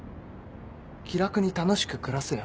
気楽に楽しく暮らせよ。